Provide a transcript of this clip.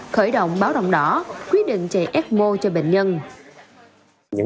khởi động báo động đỏ quyết định chạy ecmo cho bệnh nhân